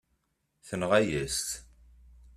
Tenɣa-yas-tt.